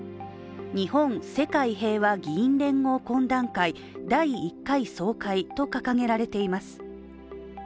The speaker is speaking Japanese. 日本・世界平和議員連合懇談会第一回総会と掲げられています。